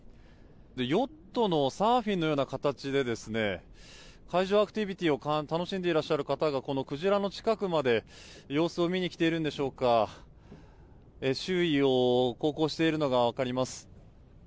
ヨットのサーフィンのような形で海上アクティビティーを楽しんでいらっしゃる方がクジラの近くまで様子を見に来ているんでしょうか周囲を航行しているのが分かります。